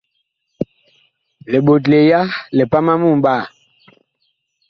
Liɓotle ya lipam a mumɓaa.